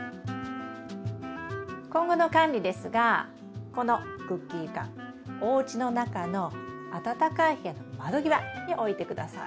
今後の管理ですがこのクッキー缶おうちの中の暖かい部屋の窓際に置いて下さい。